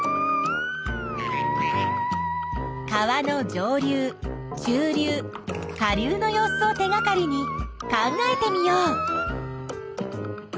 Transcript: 川の上流中流下流の様子を手がかりに考えてみよう。